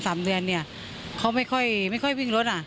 สามเดือนเนี่ยเขาไม่ค่อยไม่ค่อยวิ่งรถอ่ะ